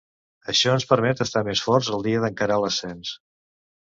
Això ens permet estar més forts el dia d’encarar l’ascens.